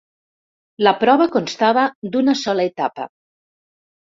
La prova constava d'una sola etapa.